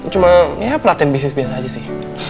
cuma ya pelatihan bisnis biasa aja sih